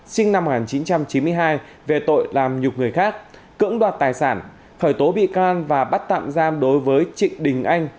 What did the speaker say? sinh năm một nghìn chín trăm chín mươi hai về tội làm nhục người khác cưỡng đoạt tài sản khởi tố bị can và bắt tạm giam đối với trịnh đình anh